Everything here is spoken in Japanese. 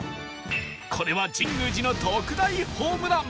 これは神宮寺の特大ホームラン！